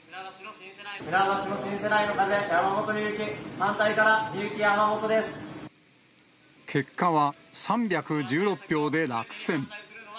船橋の新世代の風、結果は３１６票で落選。